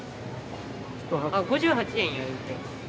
あっ５８円やん。